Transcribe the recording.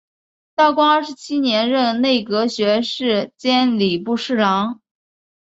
道光二十七年任内阁学士兼礼部侍郎。